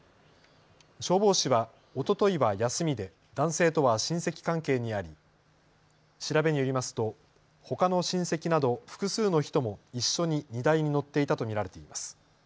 消防士はおとといは休みで男性とは親戚関係にあり調べによりますとほかの親戚など複数の人も一緒に荷台に乗っていたと見られています。